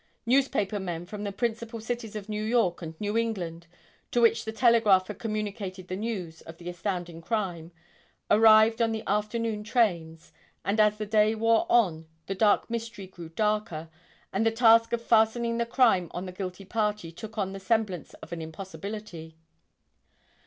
Newspaper men from the principal cities of New York and New England, to which the telegraph had communicated the news of the astounding crime, arrived on the afternoon trains; and as the day wore on, the dark mystery grew darker and the task of fastening the crime on the guilty party took on the semblance of an impossibility.